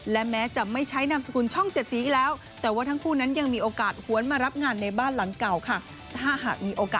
และแม้จะไม่ใช้นามสกุลช่อง๗สีอีกแล้วแต่ว่าทั้งคู่นั้นยังมีโอกาสหวนมารับงานในบ้านหลังเก่าค่ะ